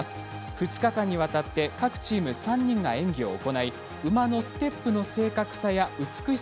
２日間にわたって各チーム３人が演技を行い馬のステップの正確さや美しさなどを競います。